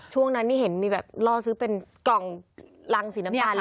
ช่วงนั้นนี่เห็นมีแบบล่อซื้อเป็นกล่องรังสีน้ำตาลเลย